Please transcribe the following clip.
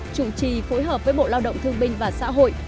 chủ trì phối hợp với bộ lao động thương binh và xã hội